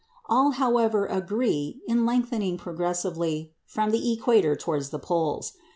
All, however, agree in lengthening progressively from the equator towards the poles.